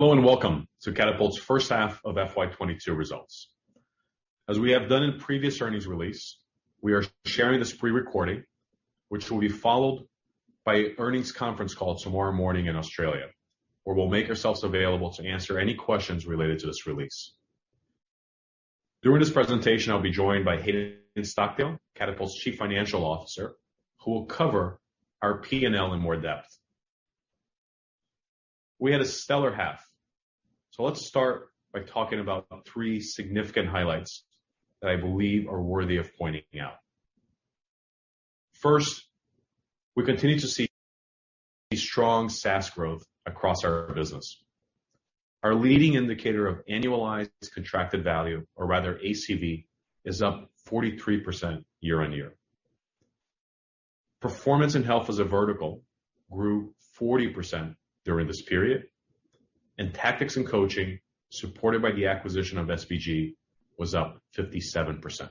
Hello and welcome to Catapult's first half of FY 2022 results. As we have done in previous earnings release, we are sharing this pre-recording, which will be followed by earnings conference call tomorrow morning in Australia, where we'll make ourselves available to answer any questions related to this release. During this presentation, I'll be joined by Hayden Stockdale, Catapult's Chief Financial Officer, who will cover our P&L in more depth. We had a stellar half. Let's start by talking about three significant highlights that I believe are worthy of pointing out. First, we continue to see strong SaaS growth across our business. Our leading indicator of annualized contracted value, or rather ACV, is up 43% year-on-year. Performance & Health as a vertical grew 40% during this period, and Tactics & Coaching, supported by the acquisition of SBG, was up 57%.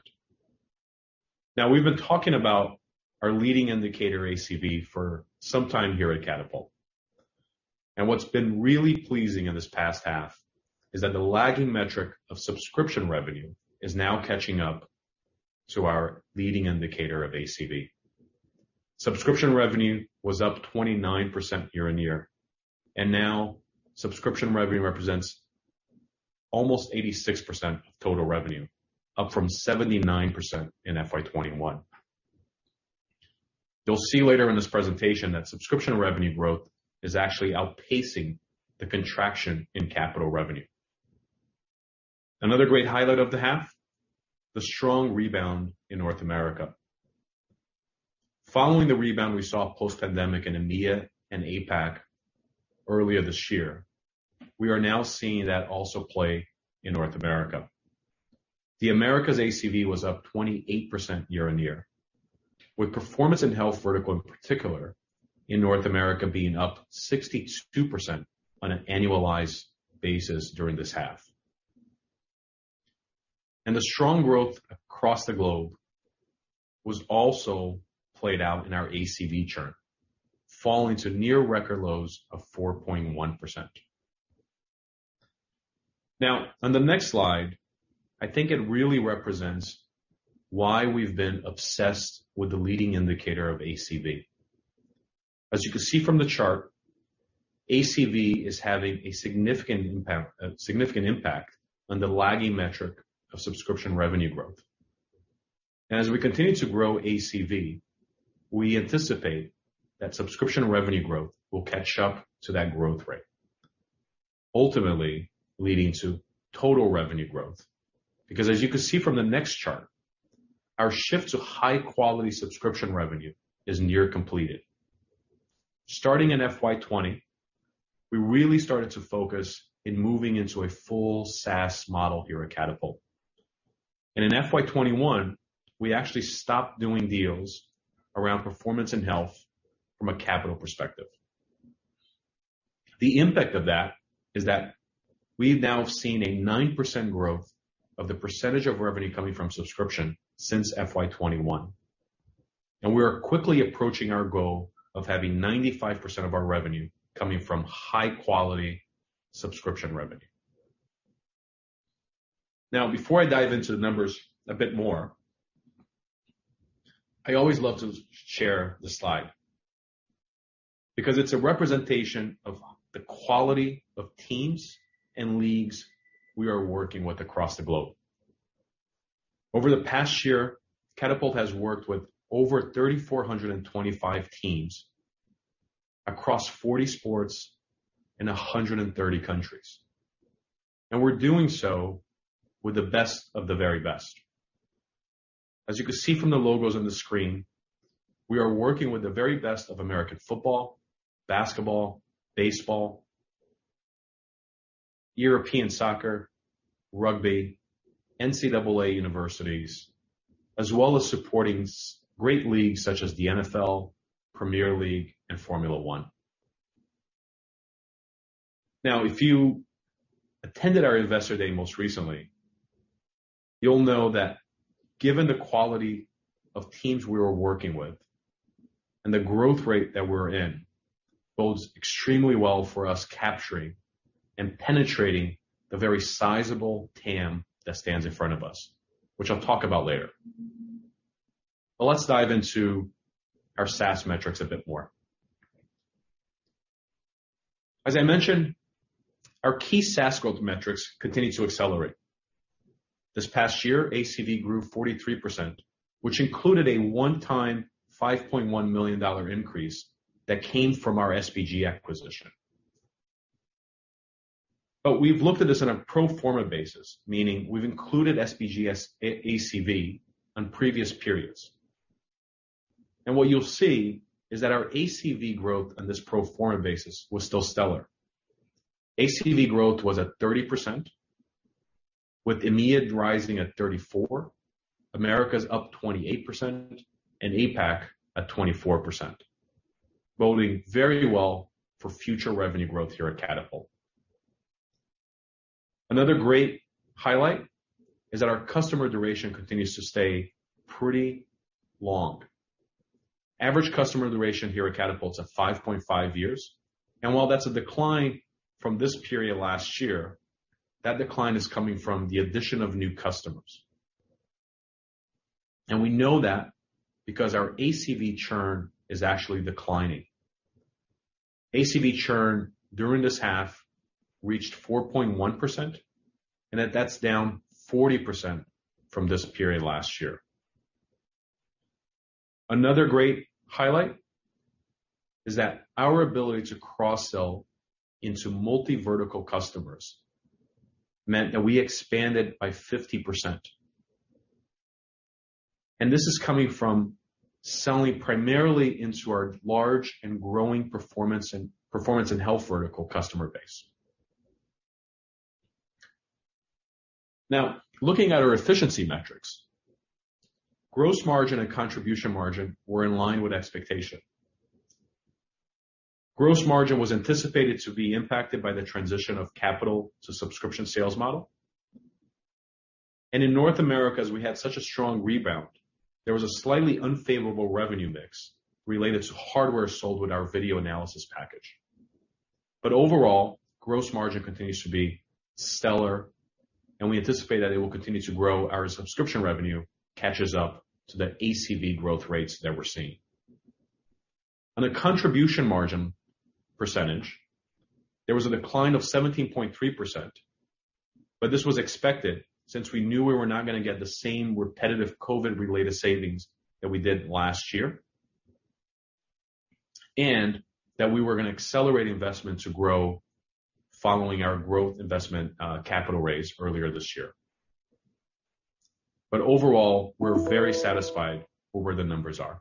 Now, we've been talking about our leading indicator ACV for some time here at Catapult. What's been really pleasing in this past half is that the lagging metric of subscription revenue is now catching up to our leading indicator of ACV. Subscription revenue was up 29% year-on-year, and now subscription revenue represents almost 86% of total revenue, up from 79% in FY 2021. You'll see later in this presentation that subscription revenue growth is actually outpacing the contraction in capital revenue. Another great highlight of the half, the strong rebound in North America. Following the rebound we saw post-pandemic in EMEA and APAC earlier this year, we are now seeing that also play in North America. The America's ACV was up 28% year-on-year, with Performance & Health vertical, in particular in North America being up 62% on an annualized basis during this half. The strong growth across the globe was also played out in our ACV churn, falling to near record lows of 4.1%. Now, on the next slide, I think it really represents why we've been obsessed with the leading indicator of ACV. As you can see from the chart, ACV is having a significant impact on the lagging metric of subscription revenue growth. As we continue to grow ACV, we anticipate that subscription revenue growth will catch up to that growth rate, ultimately leading to total revenue growth. Because as you can see from the next chart, our shift to high quality subscription revenue is near completed. Starting in FY 2020, we really started to focus in moving into a full SaaS model here at Catapult. In FY 2021, we actually stopped doing deals around Performance & Health from a capital perspective. The impact of that is that we've now seen a 9% growth of the percentage of revenue coming from subscription since FY 2021. We are quickly approaching our goal of having 95% of our revenue coming from high quality subscription revenue. Now, before I dive into the numbers a bit more, I always love to share this slide because it's a representation of the quality of teams and leagues we are working with across the globe. Over the past year, Catapult has worked with over 3,425 teams across 40 sports in 130 countries. We're doing so with the best of the very best. As you can see from the logos on the screen, we are working with the very best of American football, basketball, baseball, European soccer, rugby, NCAA universities, as well as supporting great leagues such as the NFL, Premier League, and Formula 1. Now, if you attended our Investor Day most recently, you'll know that given the quality of teams we are working with and the growth rate that we're seeing bodes extremely well for us capturing and penetrating the very sizable TAM that stands in front of us, which I'll talk about later. Let's dive into our SaaS metrics a bit more. As I mentioned, our key SaaS growth metrics continue to accelerate. This past year, ACV grew 43%, which included a one-time $5.1 million increase that came from our SBG acquisition. We've looked at this on a pro forma basis, meaning we've included SBG's ACV on previous periods. What you'll see is that our ACV growth on this pro forma basis was still stellar. ACV growth was at 30%, with EMEA rising at 34%, Americas up 28%, and APAC at 24%, boding very well for future revenue growth here at Catapult. Another great highlight is that our customer duration continues to stay pretty long. Average customer duration here at Catapult is at 5.5 years, and while that's a decline from this period last year, that decline is coming from the addition of new customers. We know that because our ACV churn is actually declining. ACV churn during this half reached 4.1%, and that's down 40% from this period last year. Another great highlight is that our ability to cross-sell into multi-vertical customers meant that we expanded by 50%. This is coming from selling primarily into our large and growing Performance & Health vertical customer base. Now, looking at our efficiency metrics, gross margin and contribution margin were in line with expectation. Gross margin was anticipated to be impacted by the transition of capital to subscription sales model. In North America, as we had such a strong rebound, there was a slightly unfavorable revenue mix related to hardware sold with our video analysis package. Overall, gross margin continues to be stellar, and we anticipate that it will continue to grow our subscription revenue catches up to the ACV growth rates that we're seeing. On a contribution margin percentage, there was a decline of 17.3%, but this was expected since we knew we were not gonna get the same repetitive COVID-related savings that we did last year, and that we were gonna accelerate investment to grow following our growth investment, capital raise earlier this year. Overall, we're very satisfied with where the numbers are.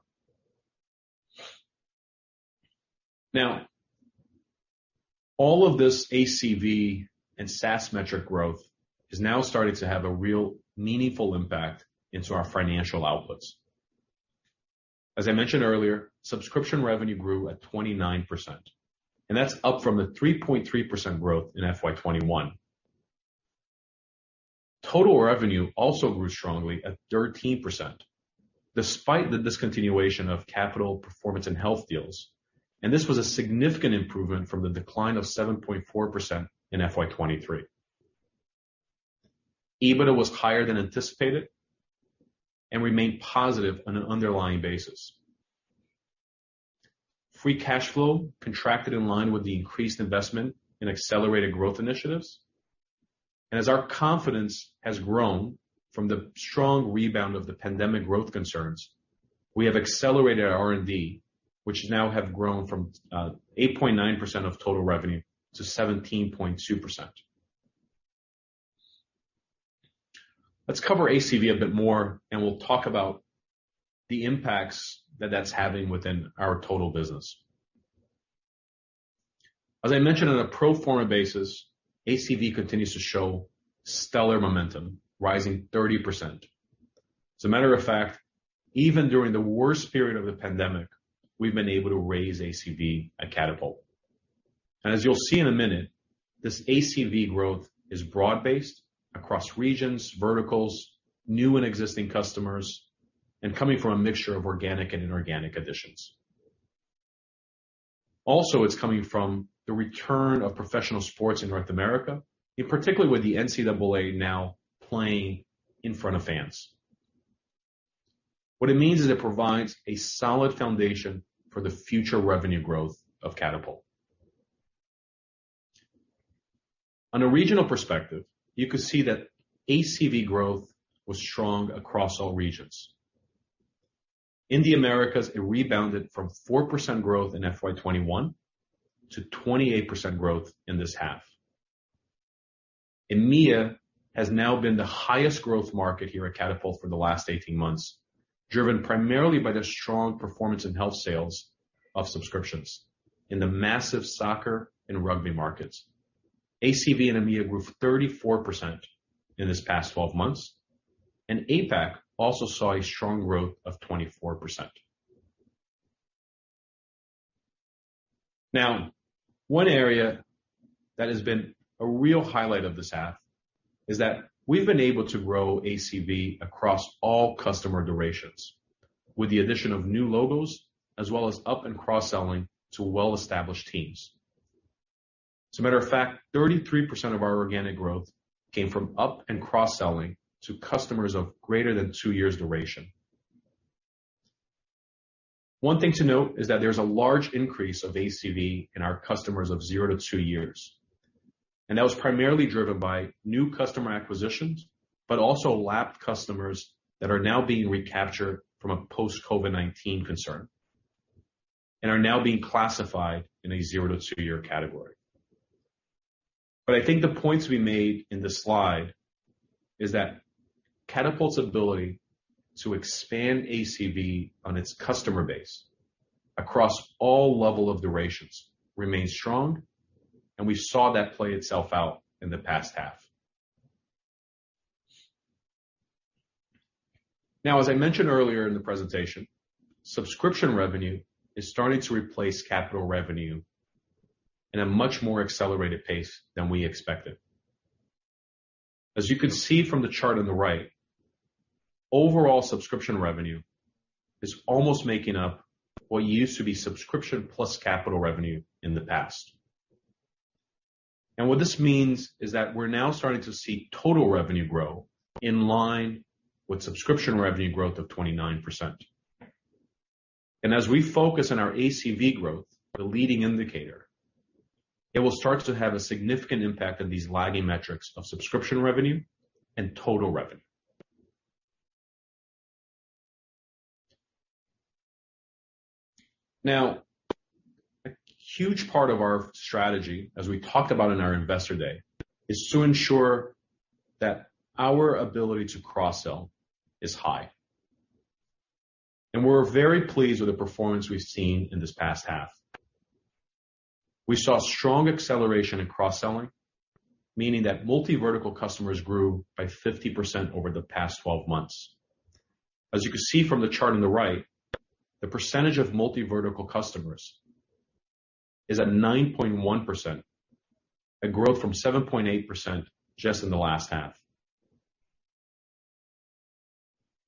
Now, all of this ACV and SaaS metric growth is now starting to have a real meaningful impact into our financial outputs. As I mentioned earlier, subscription revenue grew at 29%, and that's up from a 3.3% growth in FY 2021. Total revenue also grew strongly at 13% despite the discontinuation of capital Performance & Health deals. This was a significant improvement from the decline of 7.4% in FY 2023. EBITDA was higher than anticipated and remained positive on an underlying basis. Free cash flow contracted in line with the increased investment in accelerated growth initiatives. As our confidence has grown from the strong rebound of the pandemic growth concerns, we have accelerated our R&D, which now have grown from 8.9% of total revenue to 17.2%. Let's cover ACV a bit more, and we'll talk about the impacts that that's having within our total business. As I mentioned on a pro forma basis, ACV continues to show stellar momentum, rising 30%. As a matter of fact, even during the worst period of the pandemic, we've been able to raise ACV at Catapult. As you'll see in a minute, this ACV growth is broad-based across regions, verticals, new and existing customers, and coming from a mixture of organic and inorganic additions. It's coming from the return of professional sports in North America, in particular with the NCAA now playing in front of fans. What it means is it provides a solid foundation for the future revenue growth of Catapult. On a regional perspective, you could see that ACV growth was strong across all regions. In the Americas, it rebounded from 4% growth in FY 2021 to 28% growth in this half. EMEA has now been the highest growth market here at Catapult for the last 18 months, driven primarily by the strong Performance & Health sales of subscriptions in the massive soccer and rugby markets. ACV in EMEA grew 34% in this past 12 months, and APAC also saw a strong growth of 24%. Now, one area that has been a real highlight of this half is that we've been able to grow ACV across all customer durations with the addition of new logos as well as up and cross-selling to well-established teams. As a matter of fact, 33% of our organic growth came from up and cross-selling to customers of greater than two years duration. One thing to note is that there's a large increase of ACV in our customers of zero to two years, and that was primarily driven by new customer acquisitions, but also lapped customers that are now being recaptured from a post-COVID-19 concern and are now being classified in a zero to two year category. I think the points we made in this slide is that Catapult's ability to expand ACV on its customer base across all level of durations remains strong, and we saw that play itself out in the past half. Now, as I mentioned earlier in the presentation, subscription revenue is starting to replace capital revenue in a much more accelerated pace than we expected. As you can see from the chart on the right, overall subscription revenue is almost making up what used to be subscription plus capital revenue in the past. What this means is that we're now starting to see total revenue grow in line with subscription revenue growth of 29%. As we focus on our ACV growth, the leading indicator, it will start to have a significant impact on these lagging metrics of subscription revenue and total revenue. Now, a huge part of our strategy, as we talked about in our investor day, is to ensure that our ability to cross-sell is high. We're very pleased with the performance we've seen in this past half. We saw strong acceleration in cross-selling, meaning that multi-vertical customers grew by 50% over the past 12 months. As you can see from the chart on the right, the percentage of multi-vertical customers is at 9.1%, a growth from 7.8% just in the last half.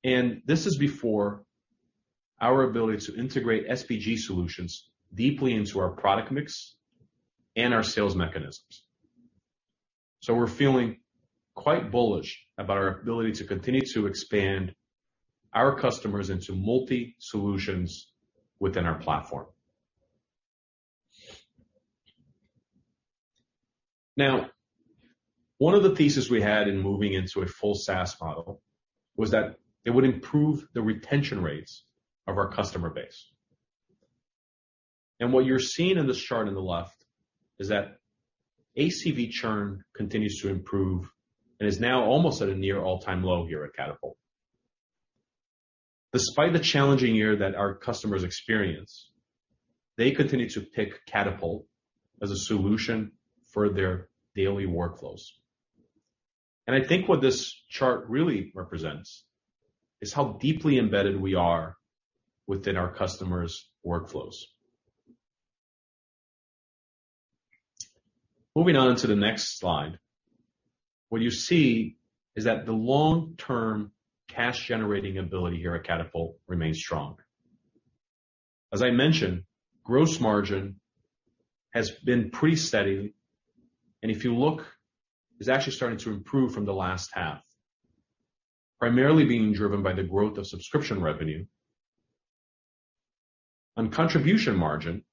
This is before our ability to integrate SBG solutions deeply into our product mix and our sales mechanisms. We're feeling quite bullish about our ability to continue to expand our customers into multi-solutions within our platform. Now, one of the thesis we had in moving into a full SaaS model was that it would improve the retention rates of our customer base. What you're seeing in this chart on the left is that ACV churn continues to improve and is now almost at a near all-time low here at Catapult. Despite the challenging year that our customers experience, they continue to pick Catapult as a solution for their daily workflows. I think what this chart really represents is how deeply embedded we are within our customers' workflows. Moving on to the next slide, what you see is that the long-term cash-generating ability here at Catapult remains strong. As I mentioned, gross margin has been pretty steady, and if you look, is actually starting to improve from the last half, primarily being driven by the growth of subscription revenue. On contribution margin,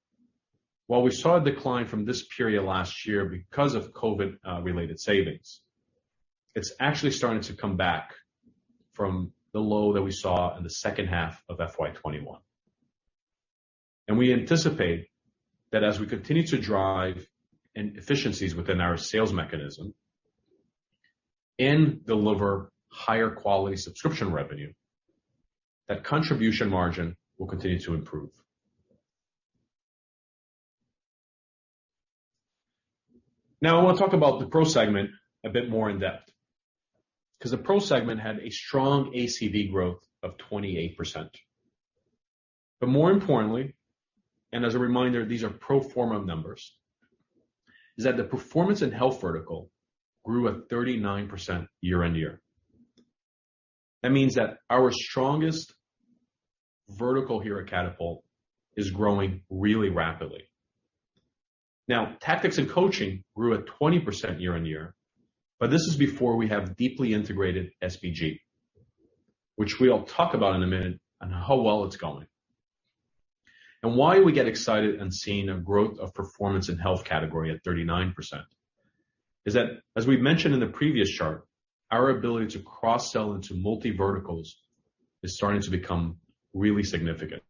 while we saw a decline from this period last year because of COVID-related savings, it's actually starting to come back from the low that we saw in the second half of FY 2021. We anticipate that as we continue to drive efficiencies within our sales mechanism and deliver higher quality subscription revenue, that contribution margin will continue to improve. Now I wanna talk about the pro segment a bit more in depth, 'cause the pro segment had a strong ACV growth of 28%. More importantly, and as a reminder, these are pro forma numbers, is that the Performance & Health vertical grew at 39% year-on-year. That means that our strongest vertical here at Catapult is growing really rapidly. Now, Tactics & Coaching grew at 20% year-on-year, but this is before we have deeply integrated SBG, which we'll talk about in a minute on how well it's going. Why we get excited in seeing a growth of Performance & Health category at 39% is that, as we've mentioned in the previous chart, our ability to cross-sell into multi-verticals is starting to become really significant.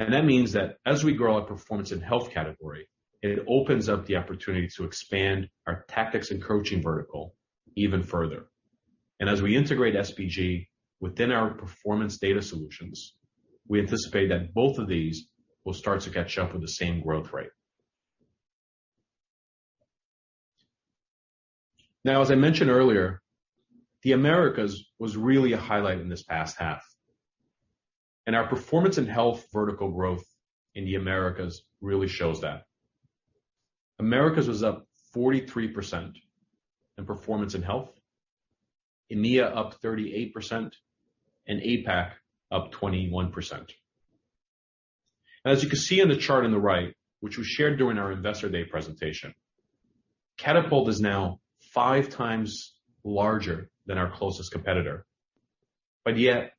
That means that as we grow our Performance & Health category, it opens up the opportunity to expand our Tactics & Coaching vertical even further. As we integrate SBG within our performance data solutions, we anticipate that both of these will start to catch up with the same growth rate. Now, as I mentioned earlier, the Americas was really a highlight in this past half, and our Performance & Health vertical growth in the Americas really shows that. Americas was up 43% in Performance & Health, EMEA up 38%, and APAC up 21%. As you can see in the chart on the right, which we shared during our investor day presentation, Catapult is now 5x larger than our closest competitor. Yet,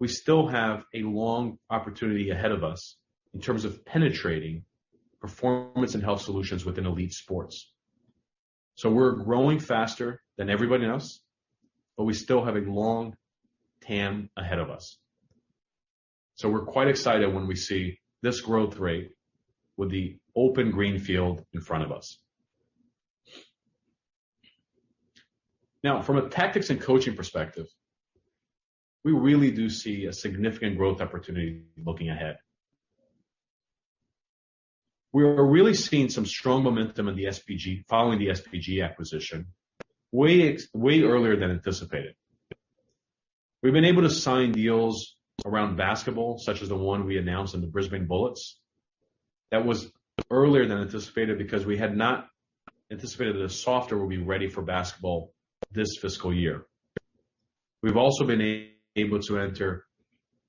we still have a long opportunity ahead of us in terms of penetrating Performance & Health solutions within elite sports. We're growing faster than everybody else, but we still have a long TAM ahead of us. We're quite excited when we see this growth rate with the open green field in front of us. Now, from a Tactics & Coaching perspective, we really do see a significant growth opportunity looking ahead. We are really seeing some strong momentum in the SBG following the SBG acquisition way earlier than anticipated. We've been able to sign deals around basketball, such as the one we announced in the Brisbane Bullets. That was earlier than anticipated because we had not anticipated that the software would be ready for basketball this fiscal year. We've also been able to enter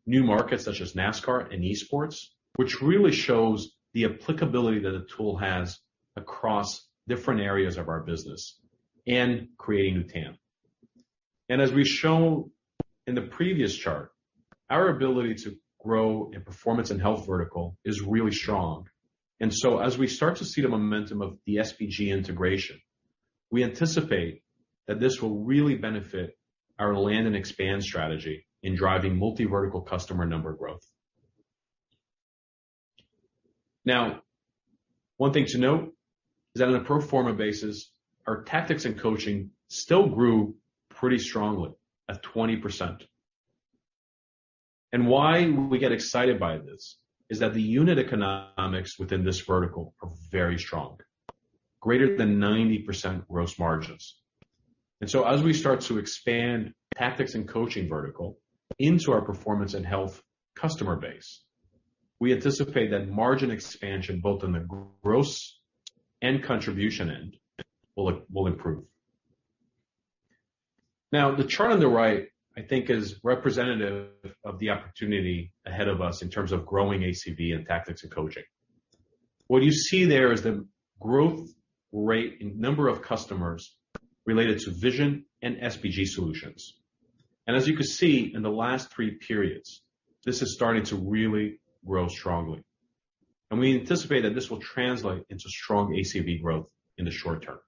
new markets such as NASCAR and esports, which really shows the applicability that a tool has across different areas of our business and creating new TAM. As we've shown in the previous chart, our ability to grow in Performance & Health vertical is really strong. As we start to see the momentum of the SBG integration, we anticipate that this will really benefit our land and expand strategy in driving multi-vertical customer number growth. Now, one thing to note is that on a pro forma basis, our Tactics & Coaching still grew pretty strongly at 20%. Why we get excited by this is that the unit economics within this vertical are very strong, greater than 90% gross margins. As we start to expand Tactics & Coaching vertical into our Performance & Health customer base, we anticipate that margin expansion, both in the gross and contribution end, will improve. Now, the chart on the right, I think, is representative of the opportunity ahead of us in terms of growing ACV and Tactics & Coaching. What you see there is the growth rate in number of customers related to vision and SBG solutions. As you can see in the last three periods, this is starting to really grow strongly. We anticipate that this will translate into strong ACV growth in the short term.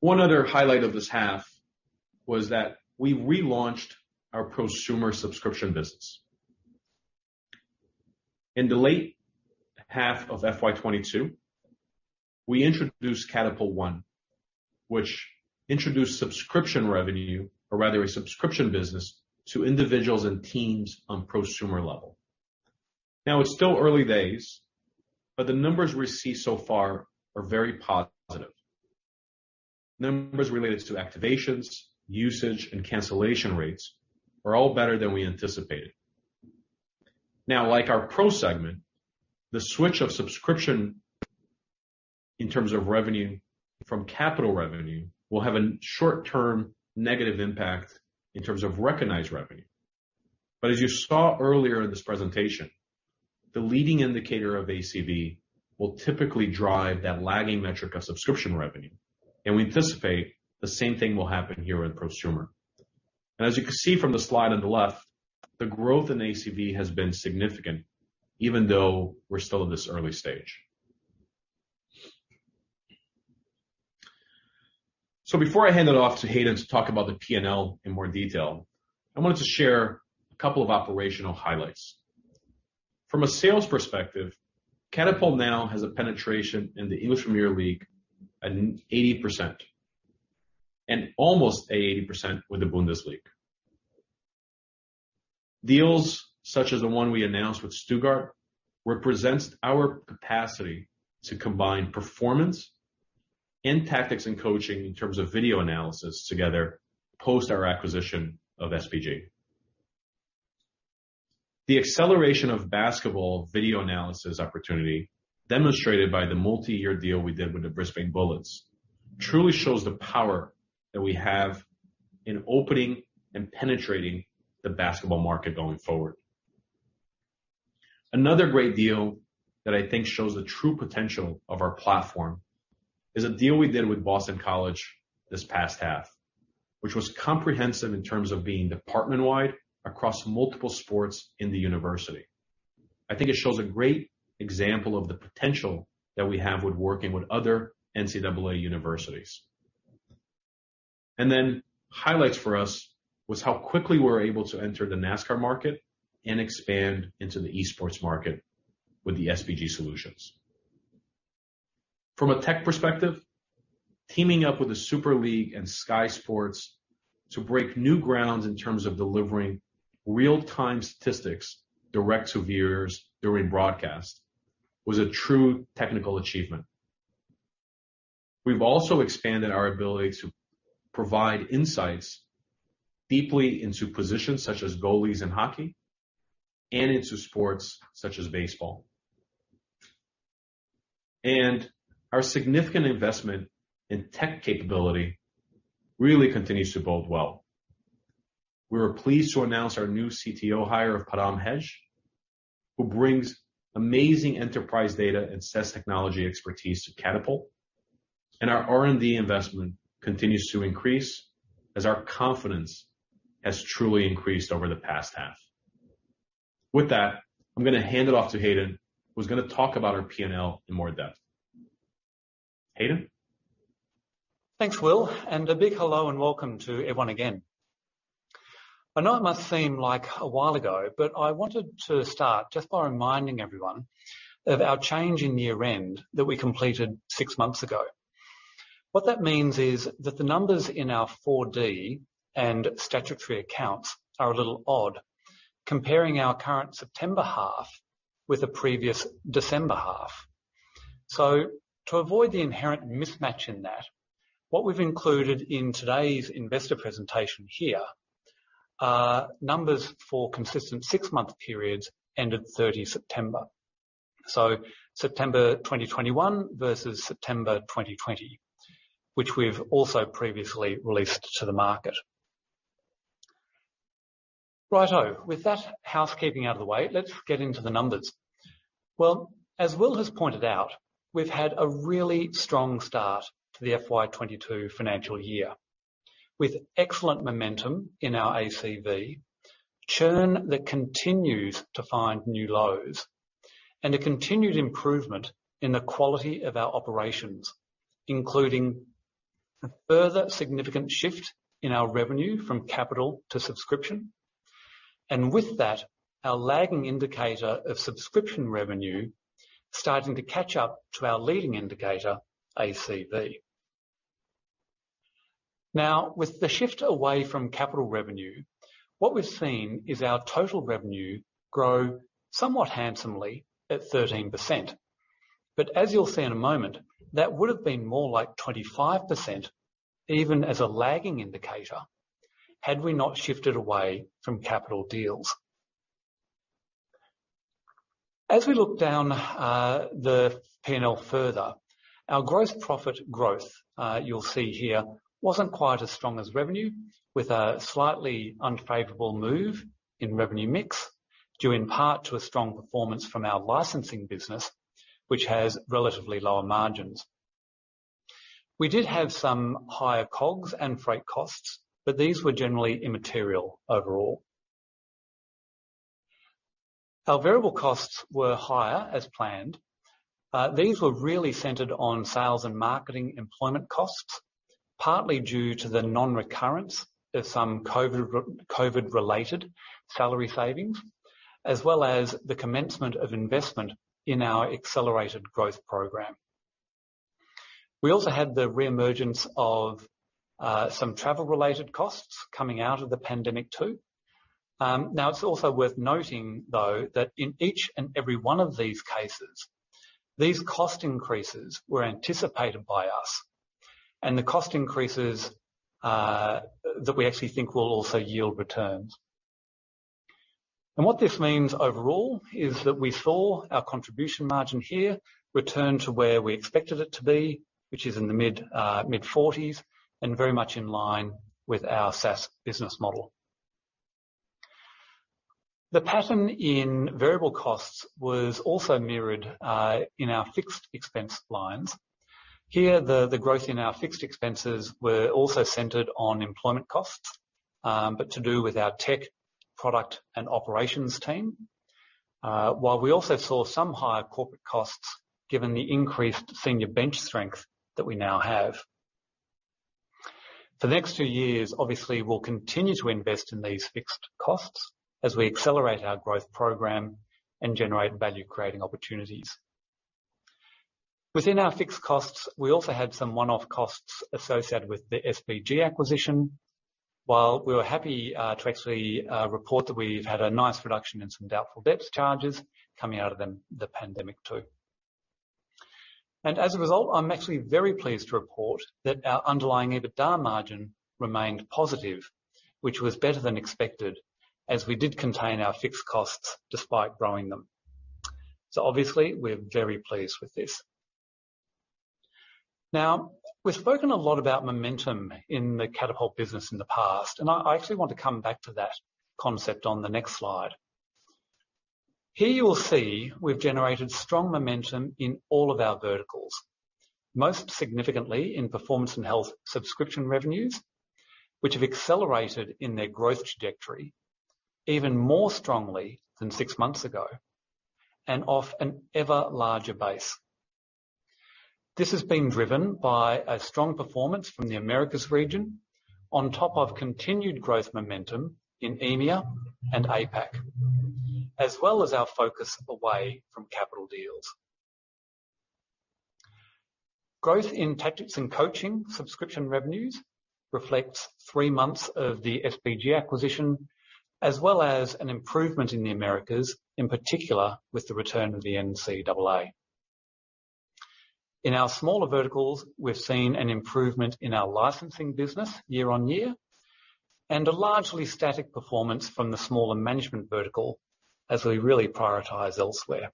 One other highlight of this half was that we relaunched our prosumer subscription business. In the late half of FY 2022, we introduced Catapult One, which introduced subscription revenue or rather a subscription business to individuals and teams on prosumer level. Now, it's still early days, but the numbers we see so far are very positive. Numbers related to activations, usage, and cancellation rates are all better than we anticipated. Now, like our pro segment, the switch of subscription in terms of revenue from capital revenue will have a short-term negative impact in terms of recognized revenue. But as you saw earlier in this presentation, the leading indicator of ACV will typically drive that lagging metric of subscription revenue, and we anticipate the same thing will happen here with prosumer. As you can see from the slide on the left, the growth in ACV has been significant even though we're still in this early stage. Before I hand it off to Hayden to talk about the P&L in more detail, I wanted to share a couple of operational highlights. From a sales perspective, Catapult now has a penetration in the English Premier League at 80% and almost 80% with the Bundesliga. Deals such as the one we announced with Stuttgart represents our capacity to combine Performance and Tactics & Coaching in terms of video analysis together post our acquisition of SBG. The acceleration of basketball video analysis opportunity demonstrated by the multi-year deal we did with the Brisbane Bullets truly shows the power that we have in opening and penetrating the basketball market going forward. Another great deal that I think shows the true potential of our platform is a deal we did with Boston College this past half, which was comprehensive in terms of being department-wide across multiple sports in the university. I think it shows a great example of the potential that we have with working with other NCAA universities. Then highlights for us was how quickly we were able to enter the NASCAR market and expand into the esports market with the SBG solutions. From a tech perspective, teaming up with the Super League and Sky Sports to break new grounds in terms of delivering real-time statistics direct to viewers during broadcast was a true technical achievement. We've also expanded our ability to provide insights deeply into positions such as goalies in hockey and into sports such as baseball. Our significant investment in tech capability really continues to bode well. We are pleased to announce our new CTO hire of Param Hegde, who brings amazing enterprise data and SaaS technology expertise to Catapult. Our R&D investment continues to increase as our confidence has truly increased over the past half. With that, I'm gonna hand it off to Hayden, who's gonna talk about our P&L in more depth. Hayden? Thanks, Will, and a big hello and welcome to everyone again. I know it must seem like a while ago, but I wanted to start just by reminding everyone of our change in year-end that we completed six months ago. What that means is that the numbers in our Appendix 4D and statutory accounts are a little odd, comparing our current September half with the previous December half. To avoid the inherent mismatch in that, what we've included in today's investor presentation here are numbers for consistent six-month periods ending September 30. September 2021 versus September 2020, which we've also previously released to the market. Righto. With that housekeeping out of the way, let's get into the numbers. Well, as Will has pointed out, we've had a really strong start to the FY 2022 financial year, with excellent momentum in our ACV, churn that continues to find new lows, and a continued improvement in the quality of our operations, including a further significant shift in our revenue from capital to subscription. With that, our lagging indicator of subscription revenue starting to catch up to our leading indicator, ACV. Now with the shift away from capital revenue, what we've seen is our total revenue grow somewhat handsomely at 13%. As you'll see in a moment, that would've been more like 25% even as a lagging indicator, had we not shifted away from capital deals. As we look down the PNL further, our gross profit growth, you'll see here, wasn't quite as strong as revenue, with a slightly unfavorable move in revenue mix, due in part to a strong performance from our licensing business, which has relatively lower margins. We did have some higher COGS and freight costs, but these were generally immaterial overall. Our variable costs were higher as planned. These were really centered on sales and marketing employment costs, partly due to the non-recurrence of some COVID-related salary savings, as well as the commencement of investment in our accelerated growth program. We also had the reemergence of some travel-related costs coming out of the pandemic too. Now it's also worth noting though, that in each and every one of these cases, these cost increases were anticipated by us and the cost increases that we actually think will also yield returns. What this means overall is that we saw our contribution margin here return to where we expected it to be, which is in the mid-40s% and very much in line with our SaaS business model. The pattern in variable costs was also mirrored in our fixed expense lines. Here, the growth in our fixed expenses were also centered on employment costs, but to do with our tech product and operations team. While we also saw some higher corporate costs given the increased senior bench strength that we now have. For the next two years, obviously we'll continue to invest in these fixed costs as we accelerate our growth program and generate value-creating opportunities. Within our fixed costs, we also had some one-off costs associated with the SBG acquisition. While we were happy to actually report that we've had a nice reduction in some doubtful debts charges coming out of the pandemic too. As a result, I'm actually very pleased to report that our underlying EBITDA margin remained positive, which was better than expected as we did contain our fixed costs despite growing them. Obviously we're very pleased with this. Now, we've spoken a lot about momentum in the Catapult business in the past, and I actually want to come back to that concept on the next slide. Here you will see we've generated strong momentum in all of our verticals. Most significantly in Performance & Health subscription revenues, which have accelerated in their growth trajectory even more strongly than six months ago and off an ever larger base. This has been driven by a strong performance from the Americas region on top of continued growth momentum in EMEA and APAC, as well as our focus away from capital deals. Growth in Tactics & Coaching subscription revenues reflects three months of the SBG acquisition, as well as an improvement in the Americas, in particular with the return of the NCAA. In our smaller verticals, we've seen an improvement in our licensing business year-over-year, and a largely static performance from the smaller management vertical as we really prioritize elsewhere.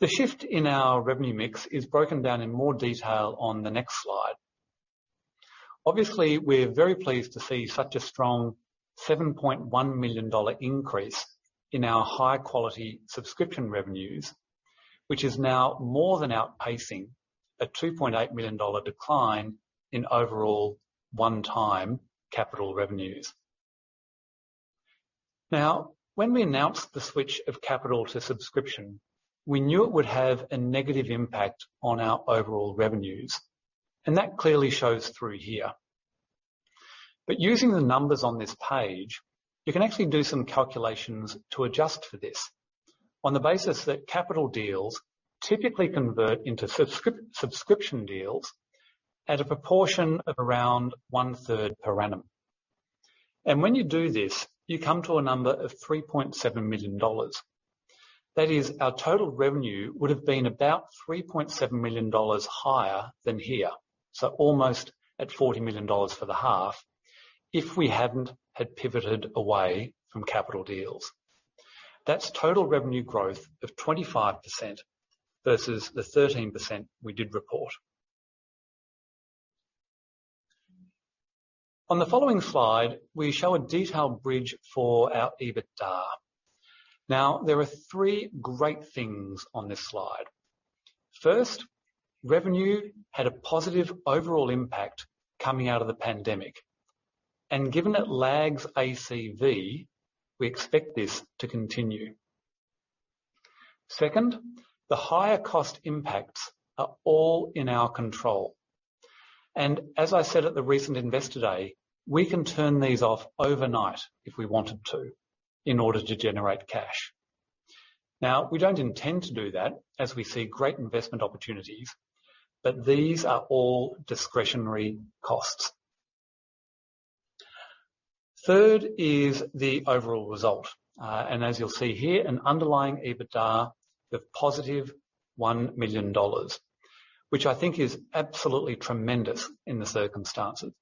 The shift in our revenue mix is broken down in more detail on the next slide. Obviously, we're very pleased to see such a strong $7.1 million increase in our high-quality subscription revenues, which is now more than outpacing a $2.8 million decline in overall one-time capital revenues. Now, when we announced the switch of capital to subscription, we knew it would have a negative impact on our overall revenues, and that clearly shows through here. Using the numbers on this page, you can actually do some calculations to adjust for this. On the basis that capital deals typically convert into subscription deals at a proportion of around 1/3 per annum. When you do this, you come to a number of $3.7 million. That is, our total revenue would have been about $3.7 million higher than here, so almost at $40 million for the half, if we hadn't had pivoted away from capital deals. That's total revenue growth of 25% versus the 13% we did report. On the following slide, we show a detailed bridge for our EBITDA. Now, there are three great things on this slide. First, revenue had a positive overall impact coming out of the pandemic. Given it lags ACV, we expect this to continue. Second, the higher cost impacts are all in our control. As I said at the recent Investor Day, we can turn these off overnight if we wanted to, in order to generate cash. Now, we don't intend to do that as we see great investment opportunities, but these are all discretionary costs. Third is the overall result, and as you'll see here, an underlying EBITDA of positive $1 million, which I think is absolutely tremendous in the circumstances.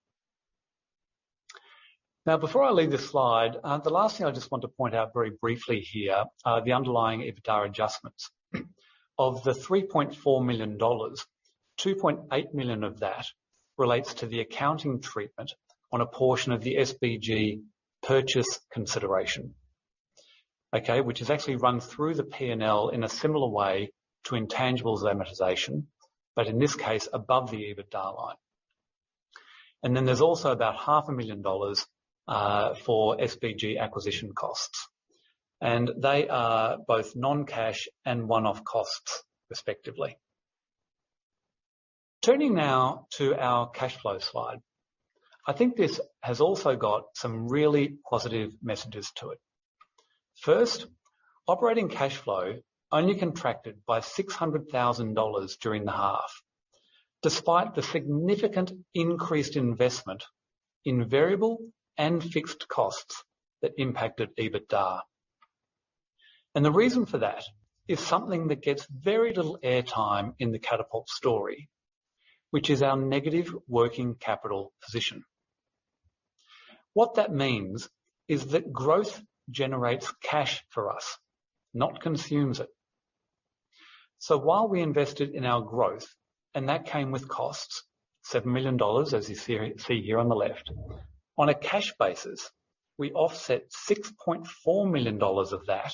Now before I leave this slide, the last thing I just want to point out very briefly here are the underlying EBITDA adjustments. Of the $3.4 million, $2.8 million of that relates to the accounting treatment on a portion of the SBG purchase consideration. Okay, which is actually run through the P&L in a similar way to intangibles amortization, but in this case above the EBITDA line. There's also about half a million dollars for SBG acquisition costs. They are both non-cash and one-off costs respectively. Turning now to our cash flow slide. I think this has also got some really positive messages to it. First, operating cash flow only contracted by $600,000 during the half, despite the significant increased investment in variable and fixed costs that impacted EBITDA. The reason for that is something that gets very little airtime in the Catapult story, which is our negative working capital position. What that means is that growth generates cash for us, not consumes it. While we invested in our growth, and that came with costs, $7 million, as you see here on the left. On a cash basis, we offset $6.4 million of that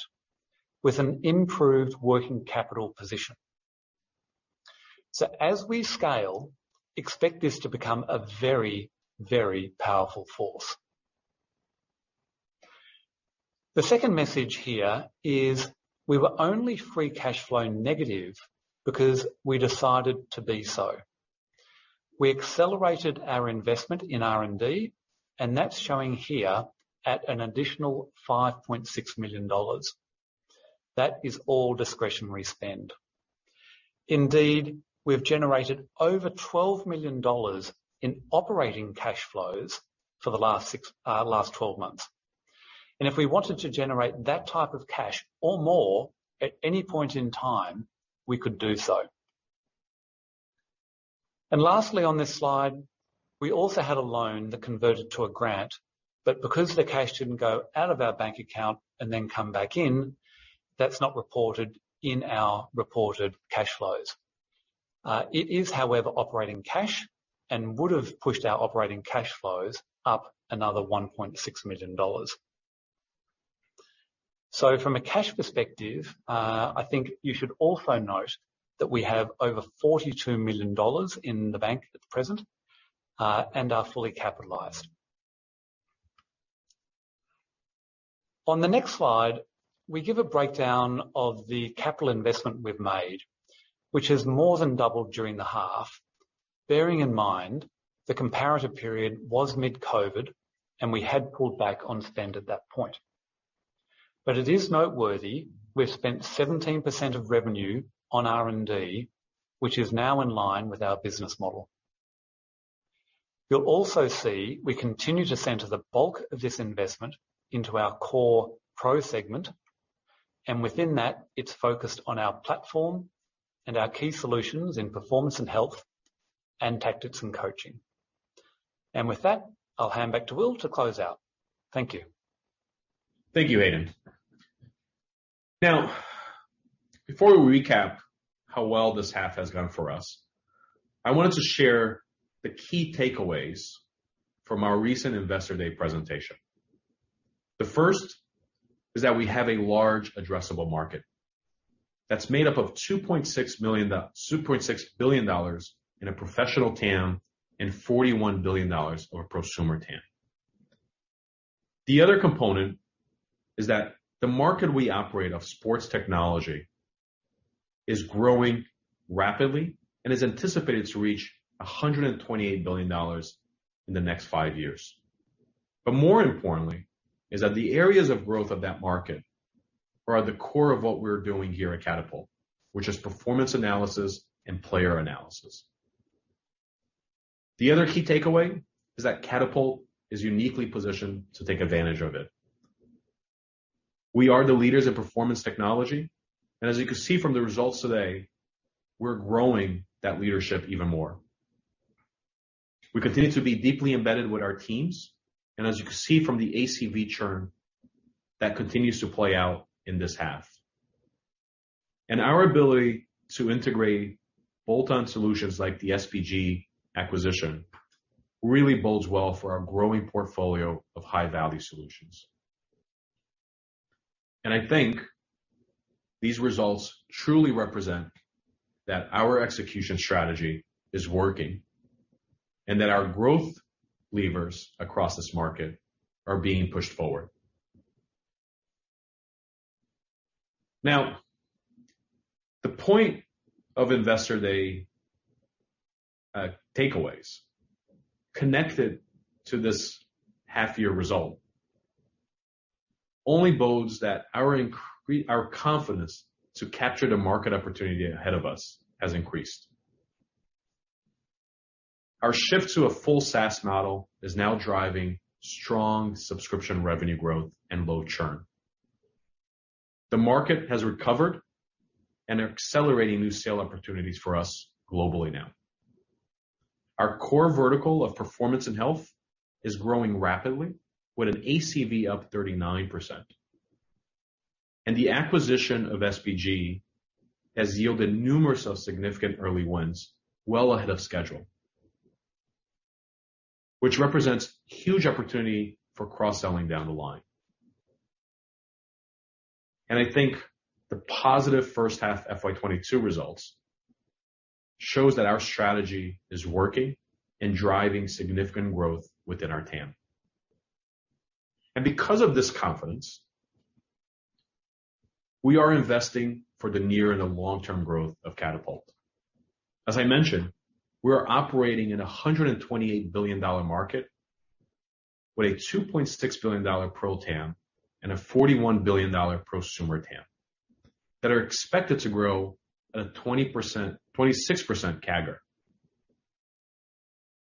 with an improved working capital position. As we scale, expect this to become a very, very powerful force. The second message here is we were only free cash flow negative because we decided to be so. We accelerated our investment in R&D, and that's showing here at an additional $5.6 million. That is all discretionary spend. Indeed, we've generated over $12 million in operating cash flows for the last 12 months. If we wanted to generate that type of cash or more at any point in time, we could do so. Lastly, on this slide, we also had a loan that converted to a grant, but because the cash didn't go out of our bank account and then come back in, that's not reported in our reported cash flows. It is, however, operating cash and would have pushed our operating cash flows up another $1.6 million. From a cash perspective, I think you should also note that we have over $42 million in the bank at present, and are fully capitalized. On the next slide, we give a breakdown of the capital investment we've made, which has more than doubled during the half, bearing in mind the comparative period was mid-COVID, and we had pulled back on spend at that point. It is noteworthy, we've spent 17% of revenue on R&D, which is now in line with our business model. You'll also see we continue to center the bulk of this investment into our core pro segment, and within that, it's focused on our platform and our key solutions in Performance & Health and Tactics & Coaching. With that, I'll hand back to Will to close out. Thank you. Thank you, Hayden. Now, before we recap how well this half has gone for us, I wanted to share the key takeaways from our recent Investor Day presentation. The first is that we have a large addressable market that's made up of $2.6 billion in a professional TAM and $41 billion or prosumer TAM. The other component is that the market we operate of sports technology is growing rapidly and is anticipated to reach $128 billion in the next five years. More importantly is that the areas of growth of that market are at the core of what we're doing here at Catapult, which is performance analysis and player analysis. The other key takeaway is that Catapult is uniquely positioned to take advantage of it. We are the leaders in performance technology, and as you can see from the results today, we're growing that leadership even more. We continue to be deeply embedded with our teams, and as you can see from the ACV churn, that continues to play out in this half. Our ability to integrate bolt-on solutions like the SBG acquisition really bodes well for our growing portfolio of high-value solutions. I think these results truly represent that our execution strategy is working and that our growth levers across this market are being pushed forward. Now, the point of Investor Day takeaways connected to this half-year result only bodes that our confidence to capture the market opportunity ahead of us has increased. Our shift to a full SaaS model is now driving strong subscription revenue growth and low churn. The market has recovered and are accelerating new sale opportunities for us globally now. Our core vertical of Performance & Health is growing rapidly with an ACV up 39%. The acquisition of SBG has yielded numerous of significant early wins well ahead of schedule, which represents huge opportunity for cross-selling down the line. I think the positive first half FY 2022 results shows that our strategy is working and driving significant growth within our TAM. Because of this confidence, we are investing for the near and the long-term growth of Catapult. As I mentioned, we are operating in a $128 billion market with a $2.6 billion pro segment and a $41 billion prosumer TAM that are expected to grow at a 26% CAGR.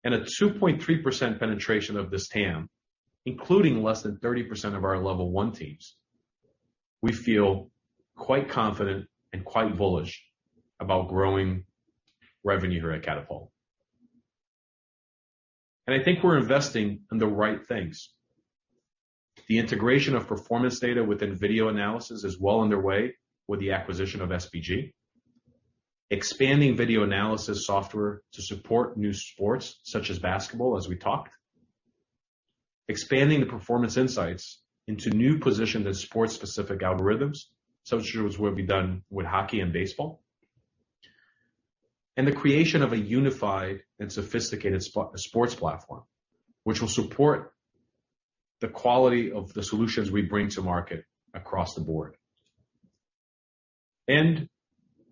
A 2.3% penetration of this TAM, including less than 30% of our level one teams, we feel quite confident and quite bullish about growing revenue here at Catapult. I think we're investing in the right things. The integration of performance data within video analysis is well underway with the acquisition of SBG. Expanding video analysis software to support new sports such as basketball, as we talked. Expanding the performance insights into new positions with sports-specific algorithms, such as will be done with hockey and baseball. The creation of a unified and sophisticated sports platform, which will support the quality of the solutions we bring to market across the board.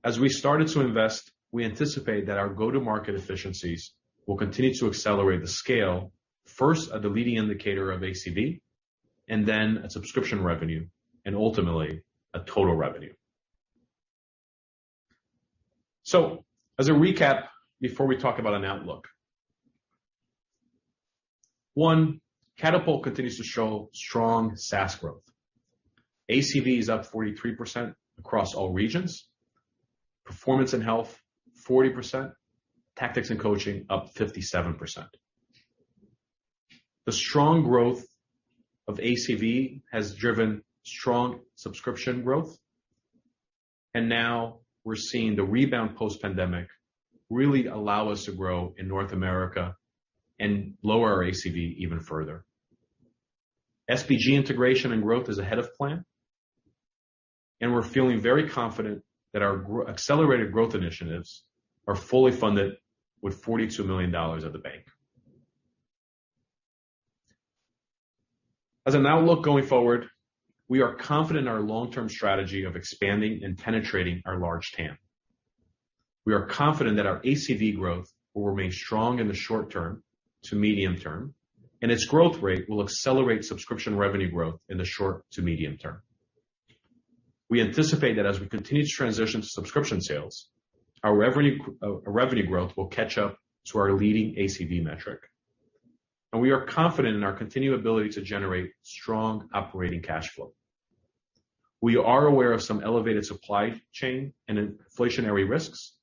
As we started to invest, we anticipate that our go-to-market efficiencies will continue to accelerate the scale, first at the leading indicator of ACV, and then at subscription revenue, and ultimately at total revenue. As a recap before we talk about an outlook. One, Catapult continues to show strong SaaS growth. ACV is up 43% across all regions. Performance & Health, 40%. Tactics & Coaching, up 57%. The strong growth of ACV has driven strong subscription growth, and now we're seeing the rebound post-pandemic really allow us to grow in North America and lower our ACV churn even further. SBG integration and growth is ahead of plan, and we're feeling very confident that our accelerated growth initiatives are fully funded with $42 million at the bank. As an outlook going forward, we are confident in our long-term strategy of expanding and penetrating our large TAM. We are confident that our ACV growth will remain strong in the short-term to medium-term, and its growth rate will accelerate subscription revenue growth in the short to medium term. We anticipate that as we continue to transition to subscription sales, our revenue growth will catch up to our leading ACV metric, and we are confident in our continued ability to generate strong operating cash flow. We are aware of some elevated supply chain and inflationary risks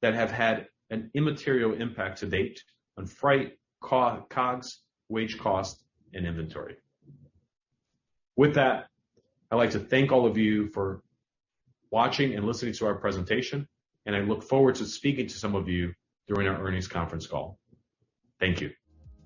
that have had an immaterial impact to date on freight, COGS, wage cost, and inventory. With that, I'd like to thank all of you for watching and listening to our presentation, and I look forward to speaking to some of you during our earnings conference call. Thank you.